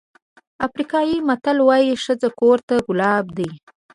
افریقایي متل وایي ښځه کور ته ګلاب دی.